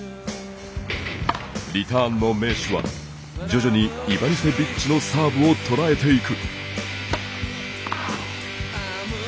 リターンの名手は徐々にイバニセビッチのサーブを捉えていく。